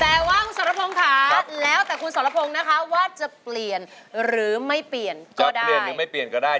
แต่ว่าคุณสรพงศ์ค่ะแล้วแต่คุณสรพงศ์นะคะว่าจะเปลี่ยนหรือไม่เปลี่ยนก็ได้